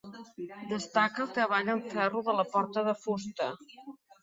Destaca el treball en ferro de la porta de fusta.